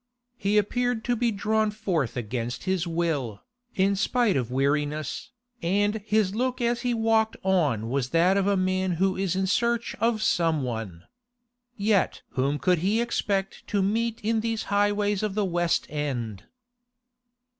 He appeared to be drawn forth against his will, in spite of weariness, and his look as he walked on was that of a man who is in search of some one. Yet whom could he expect to meet in these highways of the West End?